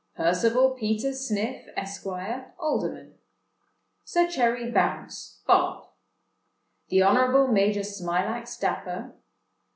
"Percival Peter Sniff, Esq., Alderman. "Sir Cherry Bounce, Bart. "The Honourable Major Smilax Dapper.